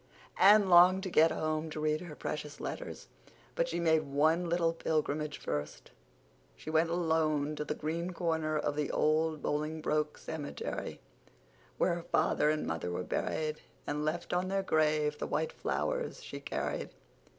Anne longed to get home to read her precious letters; but she made one little pilgrimage first. She went alone to the green corner of the "old" Bolingbroke cemetery where her father and mother were buried, and left on their grave the white flowers she carried.